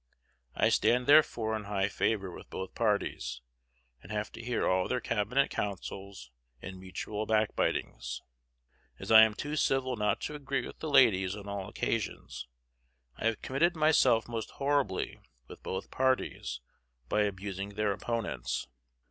I stand therefore in high favor with both parties, and have to hear all their cabinet counsels and mutual backbitings. As I am too civil not to agree with the ladies on all occasions, I have committed myself most horribly with both parties by abusing their opponents.